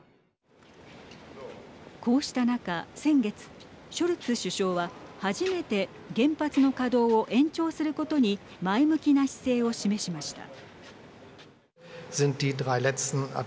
こうした中、先月ショルツ首相は初めて原発の稼働を延長することに前向きな姿勢を示しました。